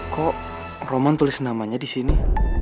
kok roman tulis namanya disini